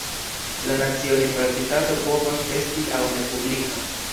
La "nacia universitato" povas esti aŭ ne publika.